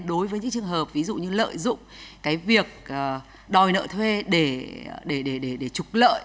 đối với những trường hợp ví dụ như lợi dụng cái việc đòi nợ thuê để trục lợi